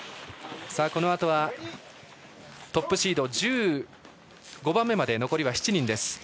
このあとはトップシード１５番目まで残りは７人です。